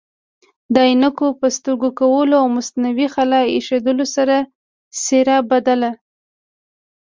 د عینکو په سترګو کول او مصنوعي خال ایښودلو سره څیره بدل